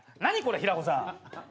何これ平子さん。